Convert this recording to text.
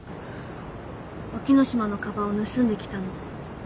沖野島のかばんを盗んできたの。